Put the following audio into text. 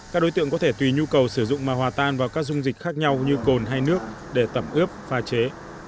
các đối tượng có thể tùy nhu cầu sử dụng mà hòa tan vào các dung dịch khác nhau như cồn hay nước để tẩm ướp pha chế